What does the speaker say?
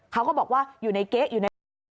เขาก็บอกว่าอยู่ในเก๊ะอยู่ในรถ